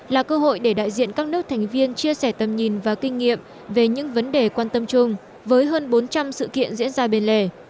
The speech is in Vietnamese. là cơ hội để đại diện các nước thành viên chia sẻ tầm nhìn và kinh nghiệm về những vấn đề quan tâm chung với hơn bốn trăm linh sự kiện diễn ra bên lề